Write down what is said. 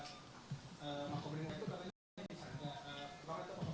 kalau itu mau keberangan itu sama sama sudah dibuatkan